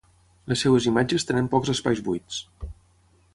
Les seves imatges tenen pocs espais buits.